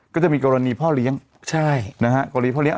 ก็จะมีกรณีพ่อเลี้ยงใช่นะฮะกรณีพ่อเลี้ย